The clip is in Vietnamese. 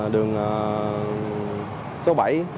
đường số bảy